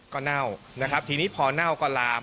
ก็เน่านะครับทีนี้พอเน่าก็ลาม